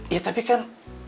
ya tapi kan